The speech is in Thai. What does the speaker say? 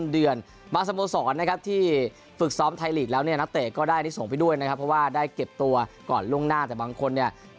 บางสโมสรนะครับที่ฝึกซ้อมไทยลีกแล้วเนี่ยนักเตะก็ได้ที่ส่งไปด้วยนะครับเพราะว่าได้เก็บตัวก่อนล่วงหน้าแต่บางคนเนี่ย